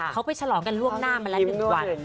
เขาไปฉลองกันล่วงหน้ามันละนึกกว่า